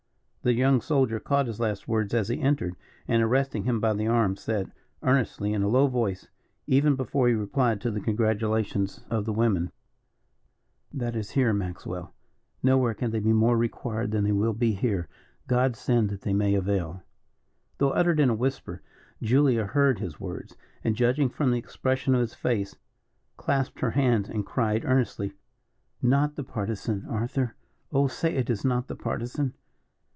The young soldier caught his last words as he entered, and arresting him by the arm, said, earnestly, in a low voice, even before he replied to the congratulations of the women: "That is here, Maxwell; nowhere can they be more required than they will be here. God send that they may avail." Though uttered in a whisper, Julia heard his words, and judging from the expression of his face, clasped her hands, and cried, earnestly: "Not the Partisan, Arthur oh, say it is not the Partisan."